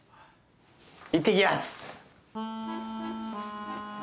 いってきやす。